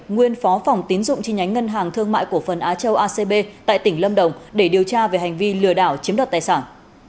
nguyên phó phòng tín dụng chi nhánh ngân hàng thương mại cổ phần á châu acb tại tỉnh lâm đồng để điều tra về hành vi lừa đảo chiếm đoạt tài sản